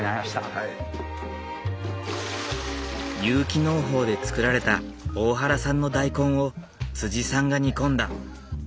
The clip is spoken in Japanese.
有機農法で作られた大原産の大根をさんが煮込んだ。